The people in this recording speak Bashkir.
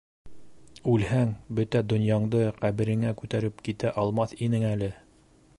Үлһәң, бөтә донъяңды ҡәбереңә күтәреп китә алмаҫ инең әле.